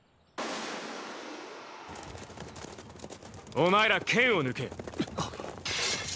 お前ら剣を抜け。